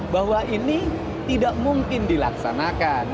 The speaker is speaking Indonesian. bahwa ini tidak mungkin dilaksanakan